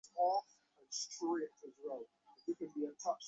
আমার মামার কাছে দেশের কাজ এবং নিজের কাজ একই।